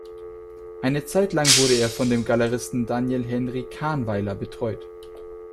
Eine Zeitlang wurde er von dem Galeristen Daniel-Henry Kahnweiler betreut.